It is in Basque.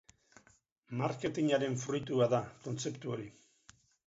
Marketingaren fruitua da kontzeptu hori.